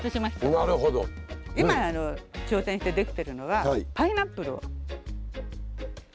今挑戦してできてるのはパイナップルを。